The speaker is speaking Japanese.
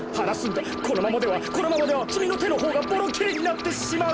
このままではこのままではきみのてのほうがボロきれになってしまう！